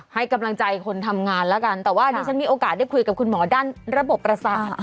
ให้กำลังใจคนทำงานแล้วกันแต่ว่าดิฉันมีโอกาสได้คุยกับคุณหมอด้านระบบประสาท